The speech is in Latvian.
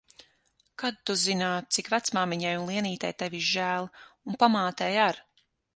Kad tu zinātu, cik vecmāmiņai un Lienītei tevis žēl. Un pamātei ar.